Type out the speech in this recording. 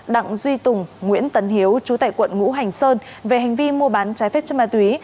đặng duy tùng nguyễn tấn hiếu trú tại quận ngũ hành sơn về hành vi mua bán trái phép chất ma túy